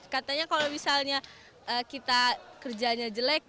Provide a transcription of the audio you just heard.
katanya kalau misalnya kita kerjanya jelek